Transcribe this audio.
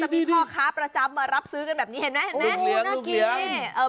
จะมีพ่อค้าประจำมารับซื้อกันแบบนี้เห็นไหมน่ากิน